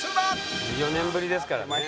１４年ぶりですからね。